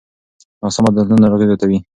ناسم عادتونه ناروغۍ زیاتوي.